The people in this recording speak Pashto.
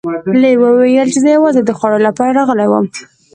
لیوه وویل چې زه یوازې د خوړو لپاره راغلی وم.